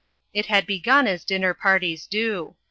It had begun as dinner parties do.